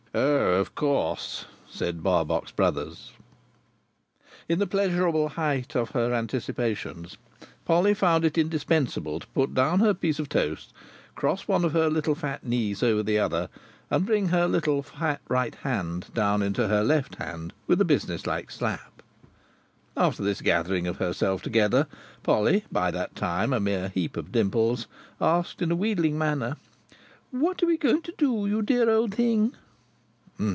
"Oh, of course," said Barbox Brothers. In the pleasurable height of her anticipations, Polly found it indispensable to put down her piece of toast, cross one of her little fat knees over the other, and bring her little fat right hand down into her left hand with a business like slap. After this gathering of herself together, Polly, by that time, a mere heap of dimples, asked in a wheedling manner: "What are we going to do, you dear old thing?"